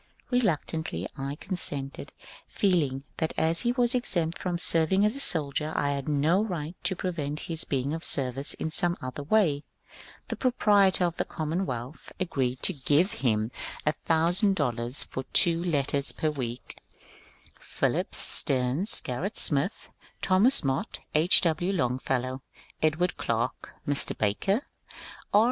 Reluctantly I con sented, feeling that as he was exempt from serving as a soldier I had no right to prevent his being of service in some other way. The proprietor of the * Commonwealth ' agreed to give VOYAGE TO EUROPE 389 him $1000 for two letters per week. Phillips, Steams, Gerrit Smith, Thomas Mott, H. W. Longfellow, Edward Clarke, Mr. Barker, R.